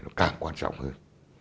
nó càng quan trọng hơn